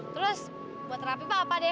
terus buat terapi pak apa deh